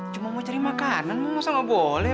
cuma mau cari makanan mah masa gak boleh